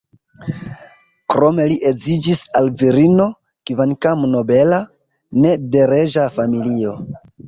Krome li edziĝis al virino, kvankam nobela, ne de reĝa familio.